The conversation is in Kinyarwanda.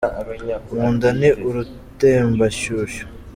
Mu nda ni urutembanshyushyu